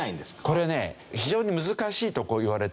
これね非常に難しいといわれてますよね。